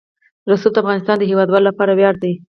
رسوب د افغانستان د هیوادوالو لپاره ویاړ دی.